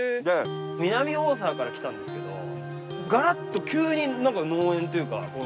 南大沢から来たんですけどガラッと急に何か農園っていうか。